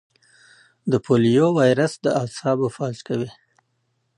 د پولیو وایرس د اعصابو فلج کوي.